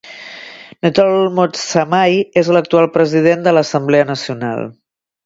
Ntlhoi Motsamai és l'actual president de l'Assemblea Nacional.